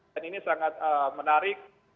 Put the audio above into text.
dan ini sangat menarik